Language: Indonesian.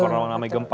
pernah mengalami gempa